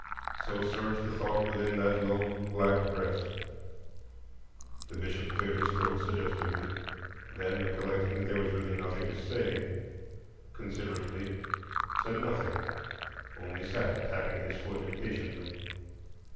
So surged the thought within that lone black breast. The Bishop cleared his throat suggestively; then, recollecting that there was really nothing to say, considerately said nothing, only sat tapping his foot impatiently.